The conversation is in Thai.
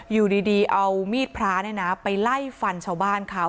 อยู่ดีเอามีดพระไปไล่ฟันชาวบ้านเขา